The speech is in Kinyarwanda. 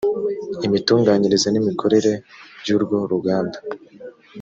imitunganyirize n’imikorere by’urwo ruganda